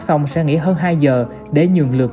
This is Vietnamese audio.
xong sẽ nghỉ hơn hai giờ để nhường lượt